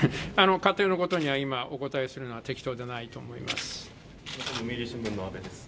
仮定のことにお答えするのは今、適当ではないかと思います。